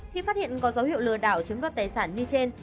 khi phát hiện có dấu hiệu lừa đảo chiếm đoạt tài sản như trên